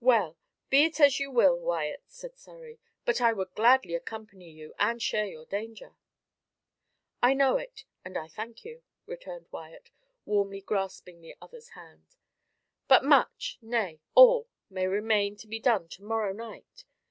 "Well, be it as you will, Wyat," said Surrey; "but I would gladly accompany you, and share your danger." "I know it, and I thank you," returned Wyat, warmly grasping the other's hand; "but much nay, all may remain to be done to morrow night.